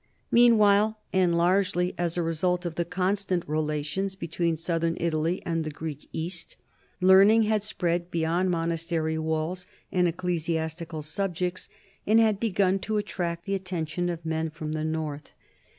Meanwhile, and largely as a result of the constant relations between southern Italy and the Greek East, learning had spread beyond monastery walls and ec clesiastical subjects, and had begun to attract the at tention of men from the north.